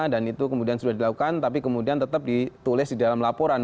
dan itu kemudian sudah dilakukan tapi kemudian tetap ditulis di dalam laporan